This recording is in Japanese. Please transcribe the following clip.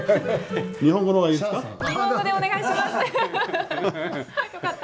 日本語の方がいいですか？